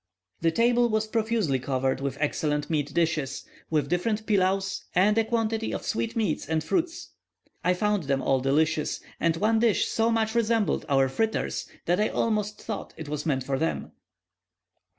The table was profusely covered with excellent meat dishes, with different pilaus, and a quantity of sweet meats and fruits. I found them all delicious, and one dish so much resembled our fritters, that I almost thought it was meant for them.